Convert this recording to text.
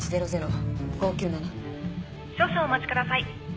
少々お待ちください。